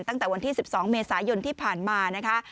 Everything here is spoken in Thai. ตั้งแต่วันที่๑๒เมษายนที่ผ่านมานะคะ